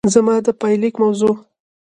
زما د پايليک موضوع